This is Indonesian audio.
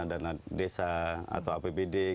dana desa atau apbd